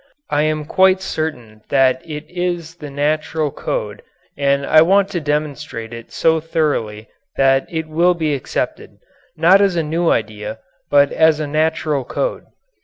I am quite certain that it is the natural code and I want to demonstrate it so thoroughly that it will be accepted, not as a new idea, but as a natural code.